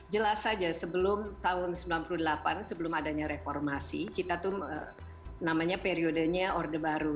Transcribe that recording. jelas saja sebelum tahun sembilan puluh delapan sebelum adanya reformasi kita tuh namanya periodenya orde baru